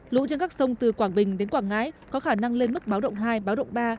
lũ trên các sông từ quảng bình đến quảng ngãi có khả năng lên mức báo động hai báo động ba